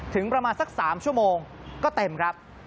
ถึงประมาณสัก๓ชั่วโมงก็เต็มครับ